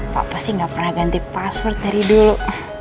papa sih gak pernah ganti password dari dulu